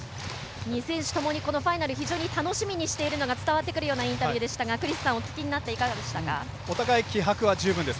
２選手ともにこのファイナル非常に楽しみにしているのが伝わってくるようなインタビューでしたがクリスさん、お聞きになってお互い気迫は十分です。